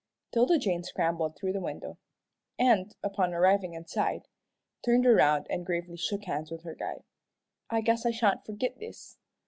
'Tilda Jane scrambled through the window, and, upon arriving inside, turned around and gravely shook hands with her guide. "I guess I sha'n't forgit this."